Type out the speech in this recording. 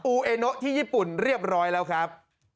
ูเอโนะที่ญี่ปุ่นเรียบร้อยแล้วครับ